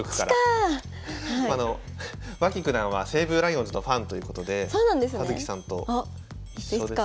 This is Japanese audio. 脇九段は西武ライオンズのファンということで葉月さんと一緒です。